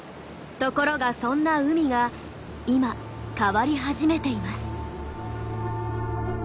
ところがそんな海が今変わり始めています。